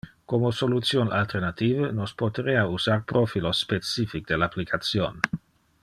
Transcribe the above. Como solution alternative, nos poterea usar profilos specific del application.